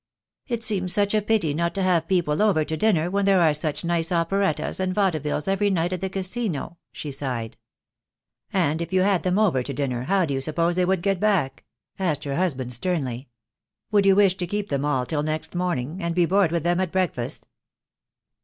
"It seems such a pity not to have people over to dinner wrhen there are such nice operettas and vaude villes every night at the Casino," she sighed. "And if you had them over to dinner, how do you suppose they would get back?" asked her husband, sternly. "Would you wish to keep them all till next morning, and be bored with them at breakfast?"